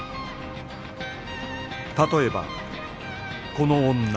例えばこの女